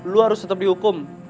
lo harus tetep dihukum